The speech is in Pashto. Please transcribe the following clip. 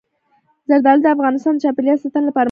زردالو د افغانستان د چاپیریال ساتنې لپاره مهم دي.